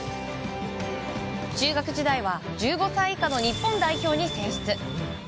中学時代は１５歳以下の日本代表に選出。